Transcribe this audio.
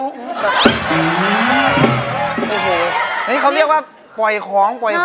โอ้โฮนี่เขาเรียกว่าปล่อยของ